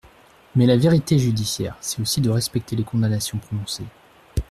Mais la vérité judiciaire, c’est aussi de respecter les condamnations prononcées.